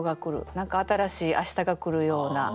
何か新しい明日がくるような。